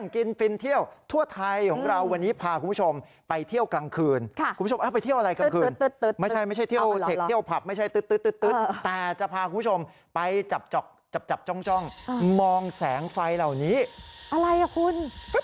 กินฟินเที่ยวทั่วไทยของเราวันนี้พาคุณผู้ชมไปเที่ยวกลางคืนคุณผู้ชมไปเที่ยวอะไรกลางคืนไม่ใช่ไม่ใช่เที่ยวเทคเที่ยวผับไม่ใช่ตึ๊ดแต่จะพาคุณผู้ชมไปจับจอกจับจับจ้องมองแสงไฟเหล่านี้อะไรอ่ะคุณ